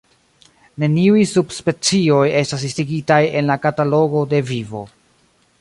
Neniuj subspecioj estas listigitaj en la Katalogo de Vivo.